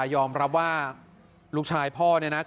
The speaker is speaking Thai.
ส่งมาขอความช่วยเหลือจากเพื่อนครับ